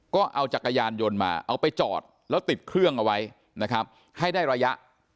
ก็เอาจักรยานยนต์มาเอาไปจอดแล้วติดเครื่องเอาไว้นะครับให้ได้ระยะ